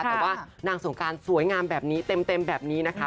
แต่ว่านางสงการสวยงามแบบนี้เต็มแบบนี้นะคะ